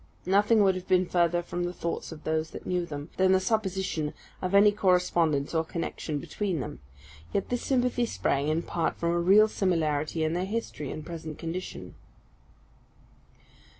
Nothing would have been farther from the thoughts of those that knew them, than the supposition of any correspondence or connection between them; yet this sympathy sprang in part from a real similarity in their history and present condition.